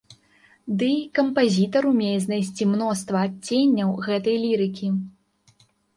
Дый кампазітар умее знайсці мноства адценняў гэтай лірыкі.